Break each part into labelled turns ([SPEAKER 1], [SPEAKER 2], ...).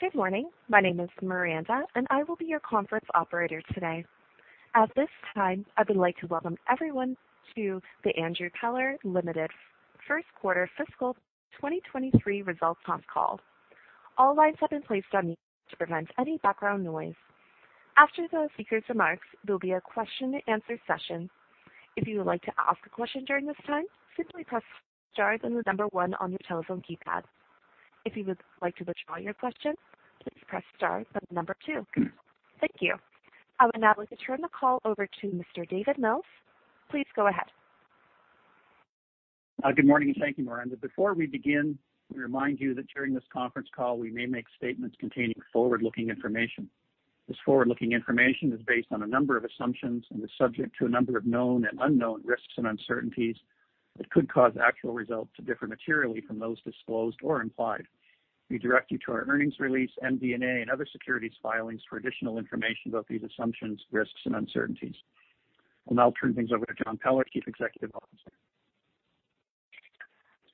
[SPEAKER 1] Good morning. My name is Miranda, and I will be your conference operator today. At this time, I would like to welcome everyone to the Andrew Peller Limited first quarter fiscal 2023 results conference call. All lines have been placed on mute to prevent any background noise. After the speaker's remarks, there'll be a question-and-answer session. If you would like to ask a question during this time, simply press star then the number one on your telephone keypad. If you would like to withdraw your question, please press star then the number two. Thank you. I would now like to turn the call over to Mr. David Mills. Please go ahead.
[SPEAKER 2] Good morning, and thank you, Miranda. Before we begin, we remind you that during this conference call, we may make statements containing forward-looking information. This forward-looking information is based on a number of assumptions and is subject to a number of known and unknown risks and uncertainties that could cause actual results to differ materially from those disclosed or implied. We direct you to our earnings release, MD&A and other securities filings for additional information about these assumptions, risks and uncertainties. I'll now turn things over to John Peller, Chief Executive Officer.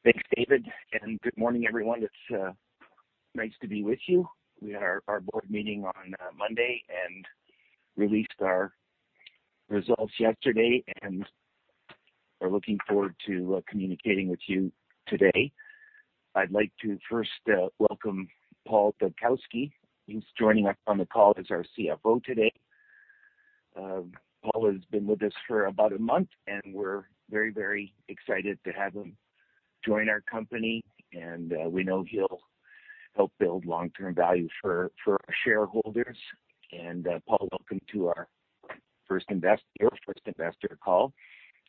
[SPEAKER 3] Thanks, David, and good morning, everyone. It's nice to be with you. We had our board meeting on Monday and released our results yesterday, and we're looking forward to communicating with you today. I'd like to first welcome Paul Dubkowski. He's joining us on the call as our CFO today. Paul has been with us for about a month, and we're very excited to have him join our company, and we know he'll help build long-term value for our shareholders. Paul, welcome to your first investor call.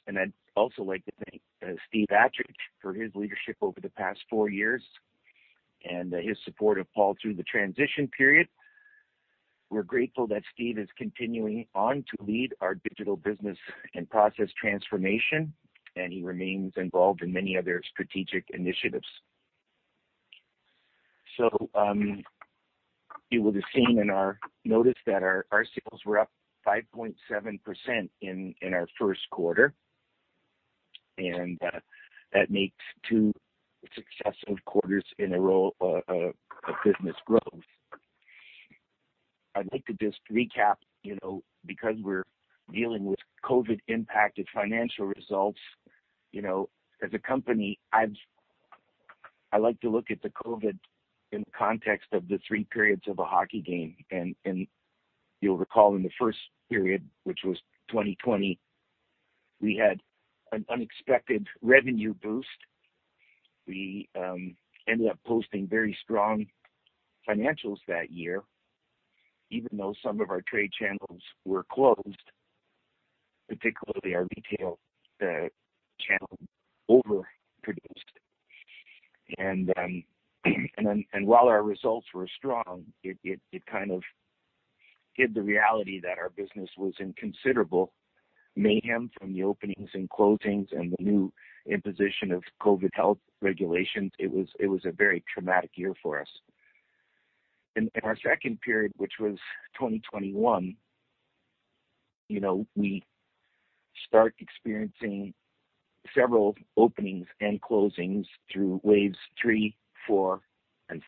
[SPEAKER 3] I'd also like to thank Steve Attridge for his leadership over the past four years and his support of Paul through the transition period. We're grateful that Steve is continuing on to lead our digital business and process transformation, and he remains involved in many other strategic initiatives. You would have seen in our notice that our sales were up 5.7% in our first quarter, and that makes two successive quarters in a row of business growth. I'd like to just recap, you know, because we're dealing with COVID impacted financial results. You know, as a company, I like to look at the COVID in the context of the three periods of a hockey game. You'll recall in the first period, which was 2020, we had an unexpected revenue boost. We ended up posting very strong financials that year, even though some of our trade channels were closed. Particularly our retail channel overproduced. While our results were strong, it kind of hid the reality that our business was in considerable mayhem from the openings and closings and the new imposition of COVID health regulations. It was a very traumatic year for us. In our second period, which was 2021, you know, we start experiencing several openings and closings through waves three, four, and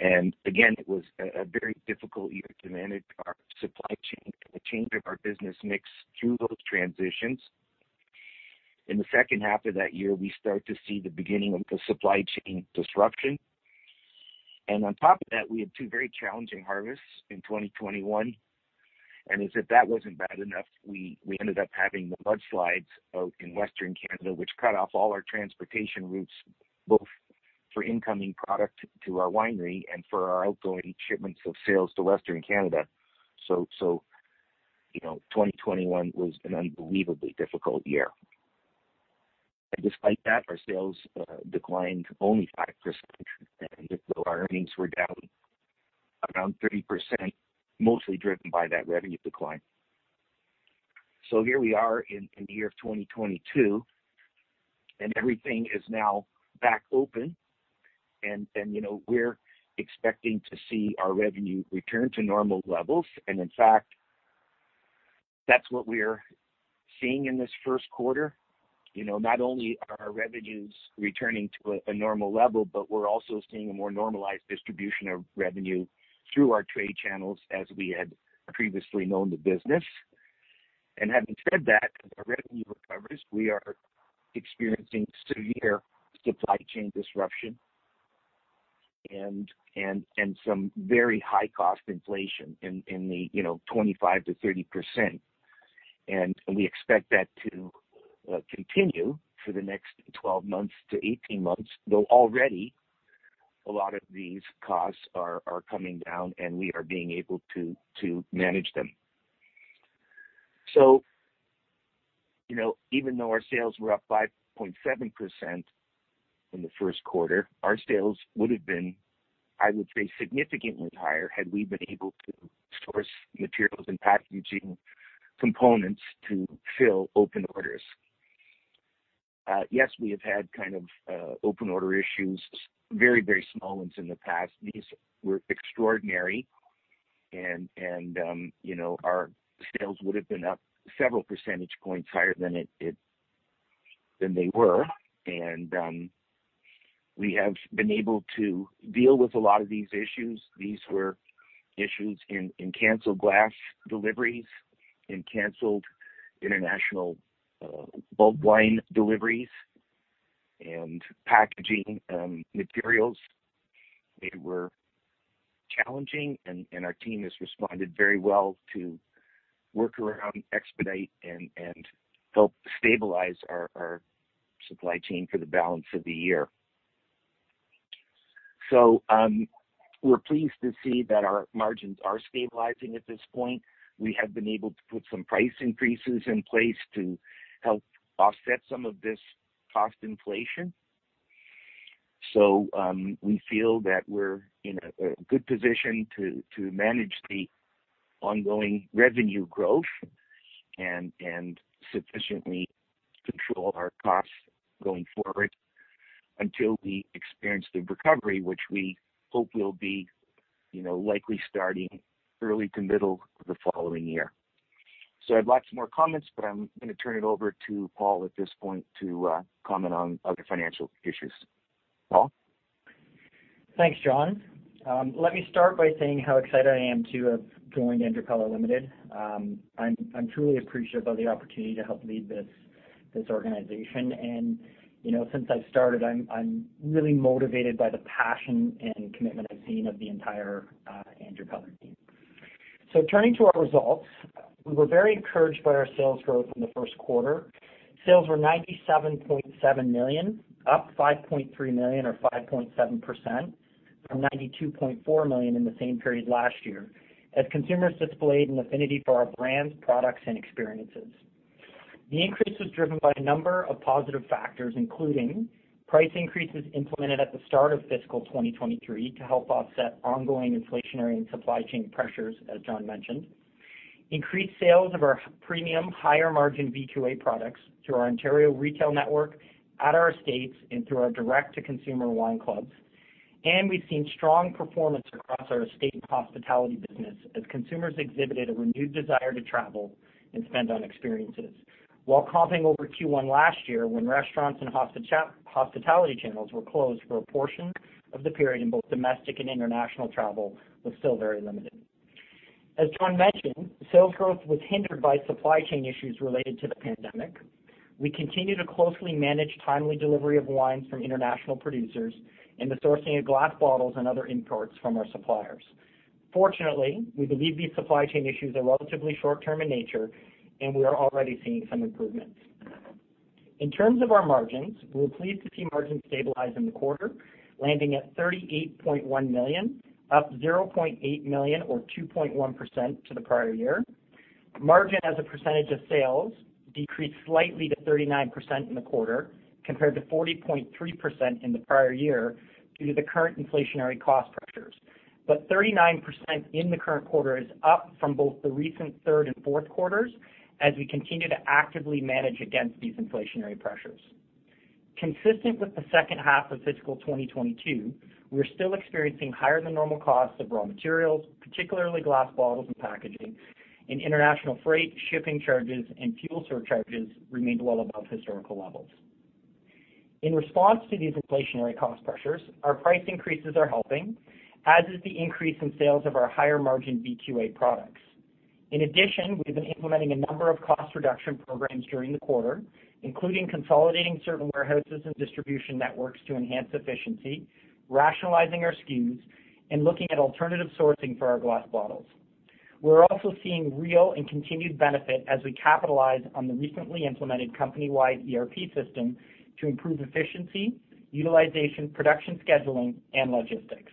[SPEAKER 3] five. Again, it was a very difficult year to manage our supply chain and the change of our business mix through those transitions. In the second half of that year, we start to see the beginning of the supply chain disruption. On top of that, we had two very challenging harvests in 2021. As if that wasn't bad enough, we ended up having the mudslides out in western Canada, which cut off all our transportation routes, both for incoming product to our winery and for our outgoing shipments of sales to western Canada. You know, 2021 was an unbelievably difficult year. Despite that, our sales declined only 5%. Though our earnings were down around 30%, mostly driven by that revenue decline. Here we are in the year of 2022, and everything is now back open. You know, we're expecting to see our revenue return to normal levels. In fact, that's what we're seeing in this first quarter. You know, not only are our revenues returning to a normal level, but we're also seeing a more normalized distribution of revenue through our trade channels as we had previously known the business. Having said that, as our revenue recovers, we are experiencing two-year supply chain disruption and some very high cost inflation in the, you know, 25%-30%. We expect that to continue for the next 12 months to 18 months, though already a lot of these costs are coming down and we are being able to manage them. You know, even though our sales were up 5.7% in the first quarter, our sales would have been, I would say, significantly higher had we been able to source materials and packaging components to fill open orders. Yes, we have had kind of open order issues, very, very small ones in the past. These were extraordinary, you know, our sales would have been up several percentage points higher than they were. We have been able to deal with a lot of these issues. These were issues in canceled glass deliveries, in canceled international bulk wine deliveries, and packaging materials. They were challenging, our team has responded very well to work around, expedite and help stabilize our supply chain for the balance of the year. We're pleased to see that our margins are stabilizing at this point. We have been able to put some price increases in place to help offset some of this cost inflation. We feel that we're in a good position to manage the ongoing revenue growth and sufficiently control our costs going forward until we experience the recovery, which we hope will be, you know, likely starting early to middle the following year. I'd like some more comments, but I'm gonna turn it over to Paul at this point to comment on other financial issues. Paul?
[SPEAKER 4] Thanks, John. Let me start by saying how excited I am to have joined Andrew Peller Limited. I'm truly appreciative of the opportunity to help lead this organization. You know, since I've started, I'm really motivated by the passion and commitment I've seen of the entire Andrew Peller team. Turning to our results, we were very encouraged by our sales growth in the first quarter. Sales were 97.7 million, up 5.3 million or 5.7% from 92.4 million in the same period last year, as consumers displayed an affinity for our brands, products and experiences. The increase was driven by a number of positive factors, including price increases implemented at the start of fiscal 2023 to help offset ongoing inflationary and supply chain pressures, as John mentioned. Increased sales of our premium higher margin VQA products through our Ontario retail network at our estates and through our direct-to-consumer wine clubs. We've seen strong performance across our estate hospitality business as consumers exhibited a renewed desire to travel and spend on experiences while comping over Q1 last year when restaurants and hospitality channels were closed for a portion of the period, and both domestic and international travel was still very limited. As John mentioned, sales growth was hindered by supply chain issues related to the pandemic. We continue to closely manage timely delivery of wines from international producers and the sourcing of glass bottles and other imports from our suppliers. Fortunately, we believe these supply chain issues are relatively short-term in nature, and we are already seeing some improvements. In terms of our margins, we're pleased to see margins stabilize in the quarter, landing at 38.1 million, up 0.8 million or 2.1% to the prior year. Margin as a percentage of sales decreased slightly to 39% in the quarter, compared to 40.3% in the prior year, due to the current inflationary cost pressures. 39% in the current quarter is up from both the recent third and fourth quarters as we continue to actively manage against these inflationary pressures. Consistent with the second half of fiscal 2022, we're still experiencing higher than normal costs of raw materials, particularly glass bottles and packaging, and international freight, shipping charges and fuel surcharges remained well above historical levels. In response to these inflationary cost pressures, our price increases are helping, as is the increase in sales of our higher margin VQA products. In addition, we've been implementing a number of cost reduction programs during the quarter, including consolidating certain warehouses and distribution networks to enhance efficiency, rationalizing our SKUs, and looking at alternative sourcing for our glass bottles. We're also seeing real and continued benefit as we capitalize on the recently implemented company-wide ERP system to improve efficiency, utilization, production, scheduling, and logistics.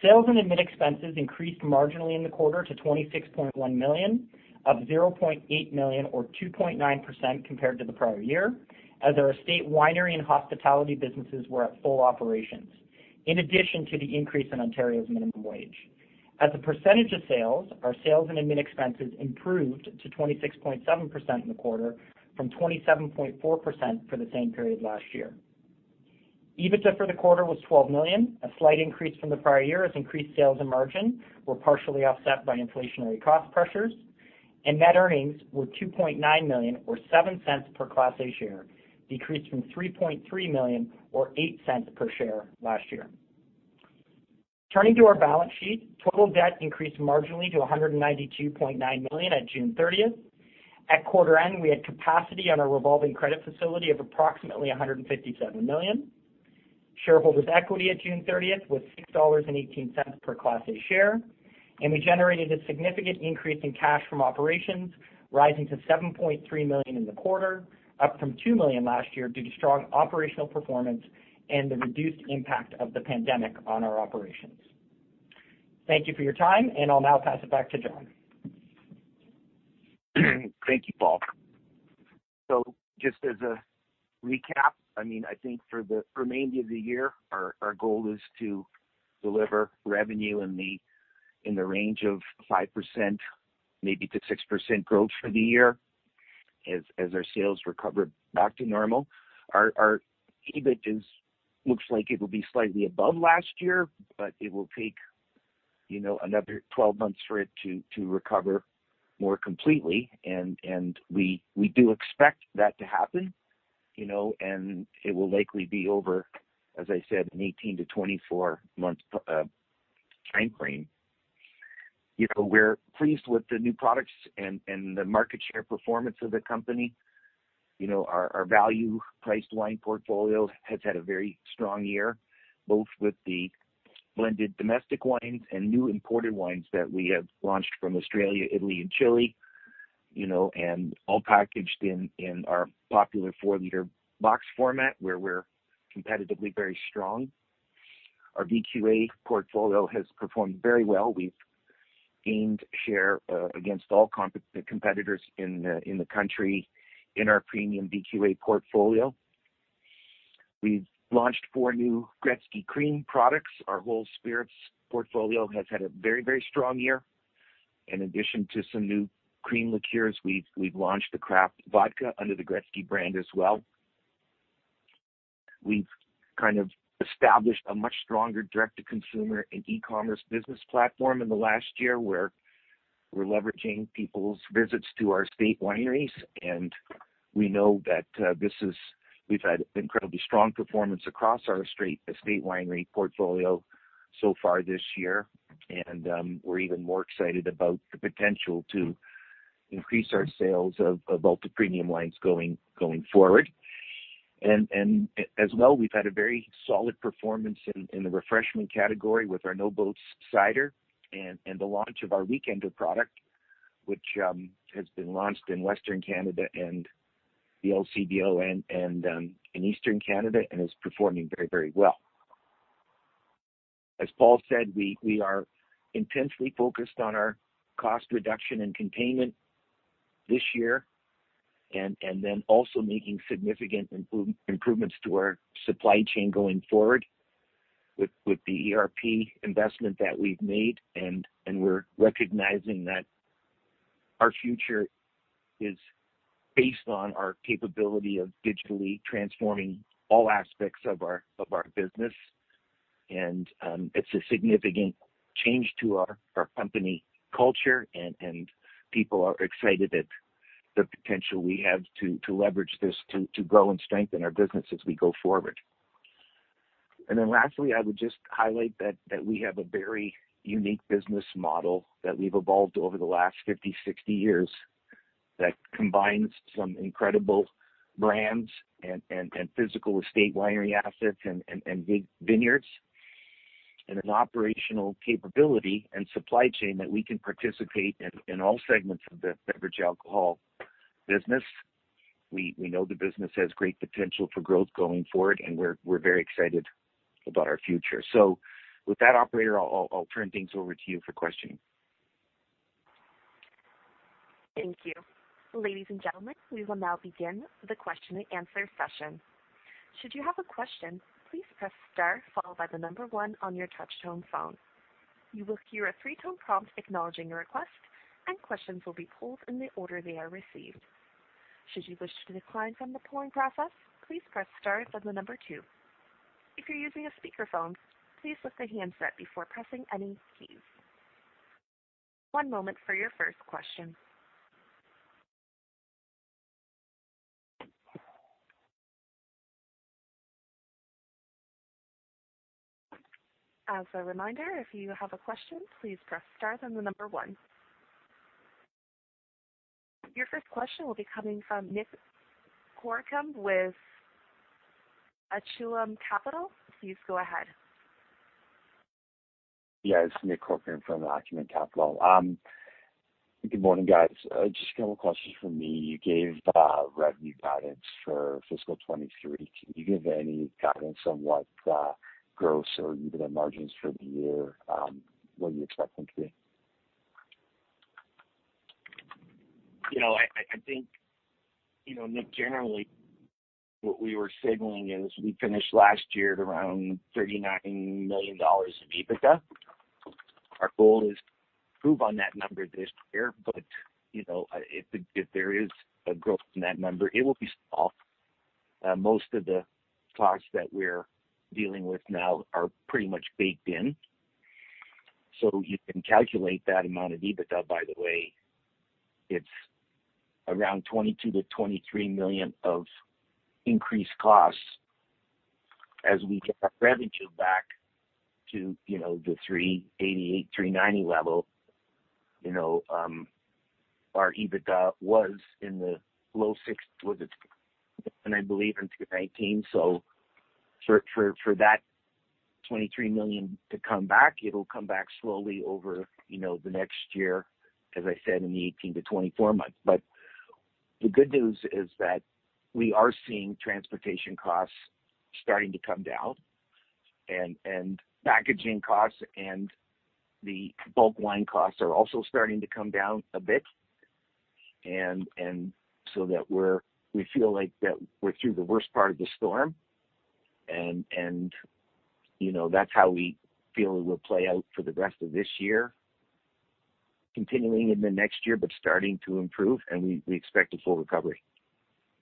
[SPEAKER 4] Sales and admin expenses increased marginally in the quarter to 26.1 million, up 0.8 million or 2.9% compared to the prior year, as our estate winery and hospitality businesses were at full operations, in addition to the increase in Ontario's minimum wage. As a percentage of sales, our sales and admin expenses improved to 26.7% in the quarter from 27.4% for the same period last year. EBITDA for the quarter was 12 million, a slight increase from the prior year as increased sales and margin were partially offset by inflationary cost pressures, and net earnings were 2.9 million or 0.07 per Class A Share, decreased from 3.3 million or 0.08 per share last year. Turning to our balance sheet, total debt increased marginally to 192.9 million at June 30th. At quarter end, we had capacity on our revolving credit facility of approximately 157 million. Shareholders' equity at June 30th was 6.18 dollars per Class A Share, and we generated a significant increase in cash from operations, rising to 7.3 million in the quarter, up from 2 million last year due to strong operational performance and the reduced impact of the pandemic on our operations. Thank you for your time, and I'll now pass it back to John.
[SPEAKER 3] Thank you, Paul. Just as a recap, I mean, I think for the remainder of the year, our goal is to deliver revenue in the range of 5% maybe to 6% growth for the year as our sales recover back to normal. Our EBIT looks like it will be slightly above last year, but it will take, you know, another 12 months for it to recover more completely. We do expect that to happen, you know, and it will likely be over, as I said, in 18-24 month time frame. You know, we're pleased with the new products and the market share performance of the company. You know, our value priced wine portfolio has had a very strong year, both with the blended domestic wines and new imported wines that we have launched from Australia, Italy, and Chile, you know, and all packaged in our popular 4L box format where we're competitively very strong. Our VQA portfolio has performed very well. We've gained share against all competitors in the country in our premium VQA portfolio. We've launched four new Gretzky cream products. Our whole spirits portfolio has had a very, very strong year. In addition to some new cream liqueurs, we've launched the craft vodka under the Gretzky brand as well. We've kind of established a much stronger direct to consumer and e-commerce business platform in the last year, where we're leveraging people's visits to our estate wineries. We know that this is. We've had incredibly strong performance across our estate winery portfolio so far this year. We're even more excited about the potential to increase our sales of ultra-premium wines going forward. As well, we've had a very solid performance in the refreshment category with our No Boats on Sunday cider and the launch of our Weekender product, which has been launched in Western Canada and the LCBO and in Eastern Canada and is performing very well. As Paul said, we are intensely focused on our cost reduction and containment this year, and then also making significant improvements to our supply chain going forward with the ERP investment that we've made. We're recognizing that our future is based on our capability of digitally transforming all aspects of our business. It's a significant change to our company culture, and people are excited at the potential we have to leverage this to grow and strengthen our business as we go forward. Then lastly, I would just highlight that we have a very unique business model that we've evolved over the last 50, 60 years that combines some incredible brands and physical estate winery assets and big vineyards, and an operational capability and supply chain that we can participate in all segments of the beverage alcohol business. We know the business has great potential for growth going forward, and we're very excited about our future. With that operator, I'll turn things over to you for questioning.
[SPEAKER 1] Thank you. Ladies and gentlemen, we will now begin the question-and-answer session. Should you have a question, please press star followed by the number one on your touchtone phone. You will hear a three-tone prompt acknowledging your request, and questions will be pulled in the order they are received. Should you wish to decline from the pulling process, please press star followed by the number two. If you're using a speakerphone, please lift the handset before pressing any keys. One moment for your first question. As a reminder, if you have a question, please press star then the number one. Your first question will be coming from Nick Corcoran with Acumen Capital. Please go ahead.
[SPEAKER 5] Yeah, it's Nick Corcoran from Acumen Capital. Good morning, guys. Just a couple questions from me. You gave revenue guidance for fiscal 2023. Can you give any guidance on what gross or EBITDA margins for the year what do you expect them to be?
[SPEAKER 3] You know, I think, you know, Nick, generally what we were signaling is we finished last year at around 39 million dollars in EBITDA. Our goal is to improve on that number this year, but, you know, if there is a growth in that number, it will be small. Most of the costs that we're dealing with now are pretty much baked in. You can calculate that amount of EBITDA, by the way. It's around 22 million-23 million of increased costs. As we get our revenue back to, you know, the 388-390 level, you know, our EBITDA was in the low 60s, was it? I believe in 2019. For that 23 million to come back, it'll come back slowly over, you know, the next year, as I said, in the 18-24 months. The good news is that we are seeing transportation costs starting to come down. Packaging costs and the bulk wine costs are also starting to come down a bit. We feel like that we're through the worst part of the storm. You know, that's how we feel it will play out for the rest of this year, continuing into next year, but starting to improve. We expect a full recovery.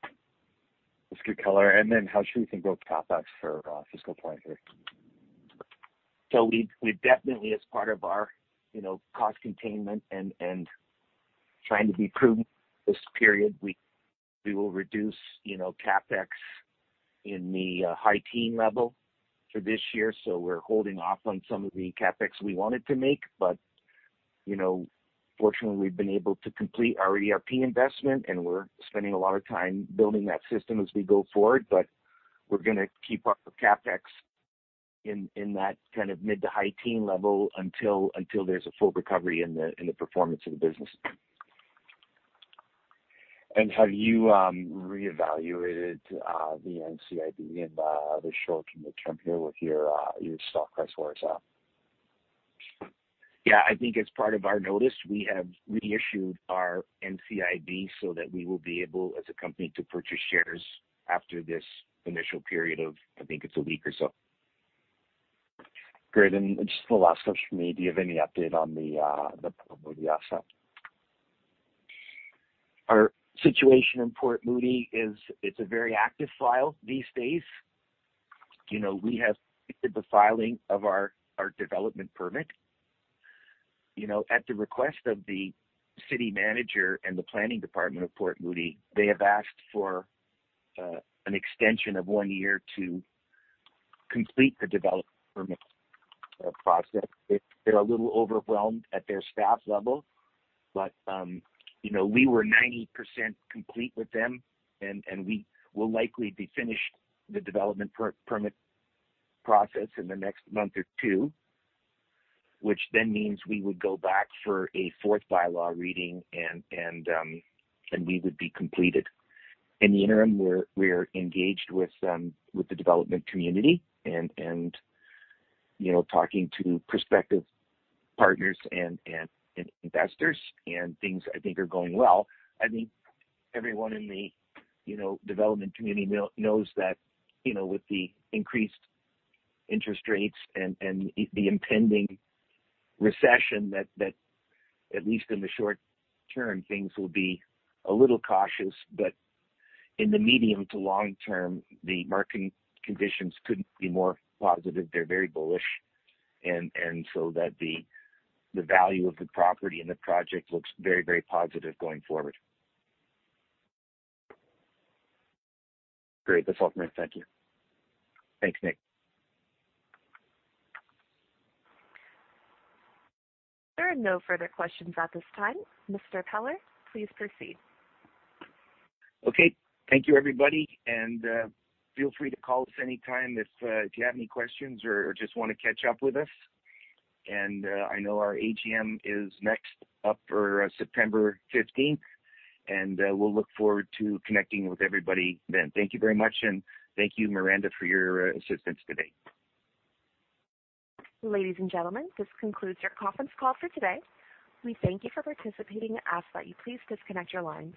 [SPEAKER 5] That's good color. How should we think about CapEx for fiscal 2023?
[SPEAKER 3] We definitely as part of our, you know, cost containment and trying to be prudent this period, we will reduce, you know, CapEx in the high teen level for this year. We're holding off on some of the CapEx we wanted to make. You know, fortunately, we've been able to complete our ERP investment, and we're spending a lot of time building that system as we go forward. We're gonna keep up with CapEx in that kind of mid to high teen level until there's a full recovery in the performance of the business.
[SPEAKER 5] Have you reevaluated the NCIB and the short- and long-term here with your stock price where it's at?
[SPEAKER 3] Yeah. I think as part of our notice, we have reissued our NCIB so that we will be able as a company to purchase shares after this initial period of I think it's a week or so.
[SPEAKER 5] Great. Just the last question from me. Do you have any update on the Port Moody asset?
[SPEAKER 3] Our situation in Port Moody is it's a very active file these days. You know, we have the filing of our development permit. You know, at the request of the city manager and the planning department of Port Moody, they have asked for an extension of one year to complete the development permit process. They're a little overwhelmed at their staff level, but you know, we were 90% complete with them, and we will likely be finished the development permit process in the next month or two, which then means we would go back for a fourth bylaw reading, and we would be completed. In the interim, we're engaged with the development community and you know, talking to prospective partners and investors, and things, I think, are going well. I think everyone in the development community knows that, you know, with the increased interest rates and the impending recession that at least in the short term, things will be a little cautious. In the medium to long term, the market conditions couldn't be more positive. They're very bullish. The value of the property and the project looks very positive going forward.
[SPEAKER 5] Great. That's all from me. Thank you.
[SPEAKER 3] Thanks, Nick.
[SPEAKER 1] There are no further questions at this time. Mr. Peller, please proceed.
[SPEAKER 3] Okay. Thank you, everybody, and feel free to call us anytime if you have any questions or just wanna catch up with us. I know our AGM is next up for September fifteenth, and we'll look forward to connecting with everybody then. Thank you very much, and thank you, Miranda, for your assistance today.
[SPEAKER 1] Ladies and gentlemen, this concludes your conference call for today. We thank you for participating and ask that you please disconnect your lines.